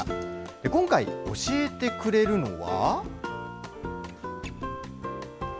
今回、教えてくれるのは。